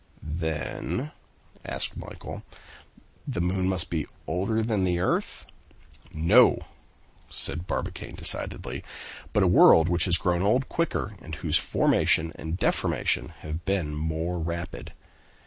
"Then," asked Michel, "the moon must be older than the earth?" "No!" said Barbicane decidedly, "but a world which has grown old quicker, and whose formation and deformation have been more rapid.